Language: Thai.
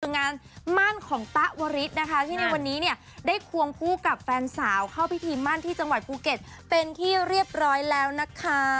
งานมั่นของตะวริสนะคะที่ในวันนี้เนี่ยได้ควงคู่กับแฟนสาวเข้าพิธีมั่นที่จังหวัดภูเก็ตเป็นที่เรียบร้อยแล้วนะคะ